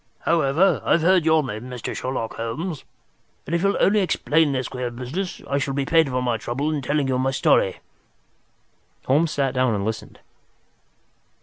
However, I've heard your name, Mr. Sherlock Holmes, and if you'll only explain this queer business, I shall be paid for my trouble in telling you the story." Holmes sat down and listened.